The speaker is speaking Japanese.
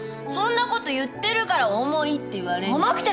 そんなこと言ってるから重いって言われんのよ。